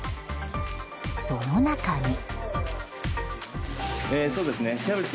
その中に。